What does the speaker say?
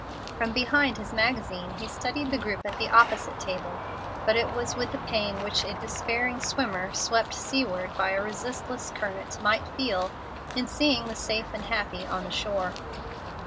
From behind his magazine he studied the group at the opposite table, but it was with the pain which a despairing swimmer, swept seaward by a resistless current, might feel in seeing the safe and happy on the shore.